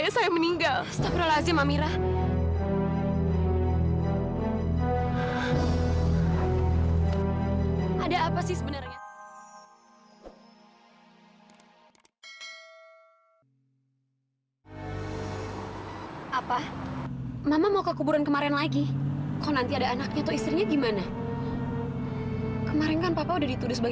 sampai jumpa di video selanjutnya